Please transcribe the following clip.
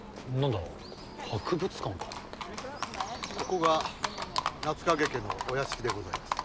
ここが夏影家のお屋敷でございます。